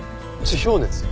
地表熱？